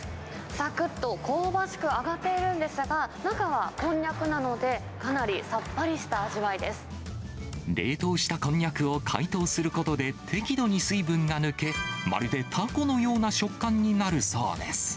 さくっと香ばしく揚がっているんですが、中はこんにゃくなので、冷凍したこんにゃくを解凍することで、適度に水分が抜け、まるでタコのような食感になるそうです。